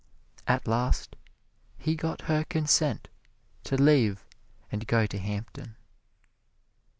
At last he got her consent to leave and go to Hampton.